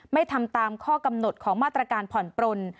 ไม่ทำตามข้อกำหนดของมาตรการผ่อนปลน